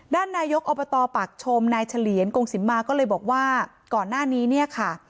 นายกอบตปากชมนายเฉลียนกงสิมมาก็เลยบอกว่าก่อนหน้านี้เนี่ยค่ะ